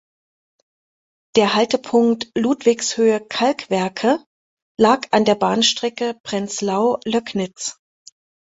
Der Haltepunkt "Ludwigshöhe Kalkwerke" lag an der Bahnstrecke Prenzlau–Löcknitz.